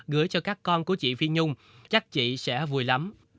gửi cho các con của chị phi nhung chắc chị sẽ vui lắm